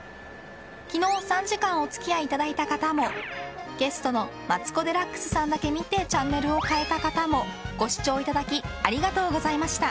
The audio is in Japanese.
昨日、３時間お付き合いいただいた方もゲストのマツコ・デラックスさんだけ見てチャンネルを変えた方もご視聴いただきありがとうございました。